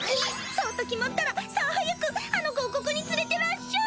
そうと決まったらさあ早くあの子をここに連れてらっしゃい！